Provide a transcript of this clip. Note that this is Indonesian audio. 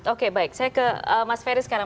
oke baik saya ke mas ferry sekarang